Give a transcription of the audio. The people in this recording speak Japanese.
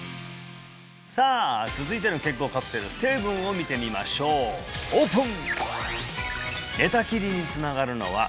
さあ続いての健康カプセル成分を見てみましょうオープン！